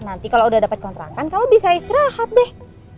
nanti kalau udah dapat kontrakan kalau bisa istirahat deh